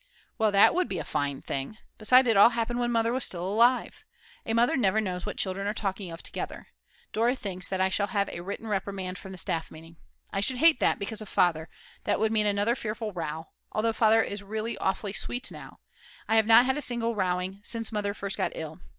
_" Well that would be a fine thing! Besides, it all happened when Mother was still alive. A mother never knows what children are talking of together. Dora thinks that I shall have a written Reprimand from the Staff Meeting. I should hate that because of Father; that would mean another fearful row; although Father is really awfully sweet now; I have not had a single rowing since Mother first got ill.